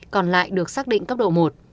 còn lại được xác định cấp độ một